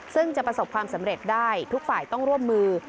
ซึ่งจะประสบความสำเร็จได้ทุกฝ่ายต้องร่วมมือ